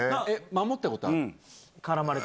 守ったことある？